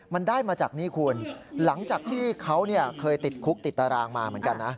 มันได้มาจากนี่คุณหลังจากที่เขาเคยติดคุกติดตารางมาเหมือนกันนะ